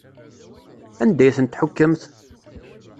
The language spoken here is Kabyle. Anda ay ten-tḥukkemt?